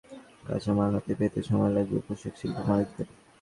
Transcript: ছুটি শেষে জরুরি প্রয়োজনেও কাঁচামাল হাতে পেতে সময় লাগবে পোশাকশিল্প মালিকদের।